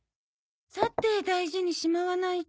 さて大事にしまわないと。